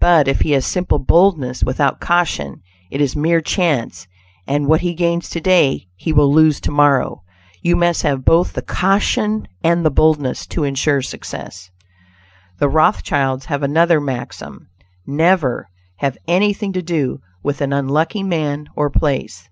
But if he has simple boldness without caution, it is mere chance, and what he gains to day he will lose to morrow. You must have both the caution and the boldness, to insure success. The Rothschilds have another maxim: "Never have anything to do with an unlucky man or place."